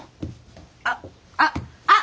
あっあっあっ！